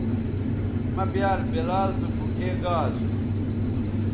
مہ بیال بلال سو گوٹھے گا اسو